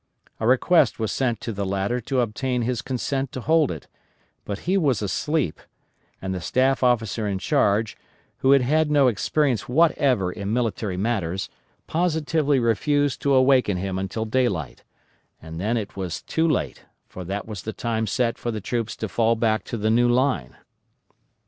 A request was sent to the latter to obtain his consent to hold it, but he was asleep, and the staff officer in charge, who had had no experience whatever in military matters, positively refused to awaken him until daylight, and then it was too late, for that was the time set for the troops to fall back to the new line.